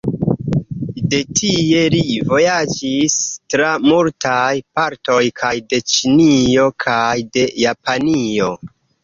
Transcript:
De tie li vojaĝis tra multaj partoj kaj de Ĉinio kaj de Japanio.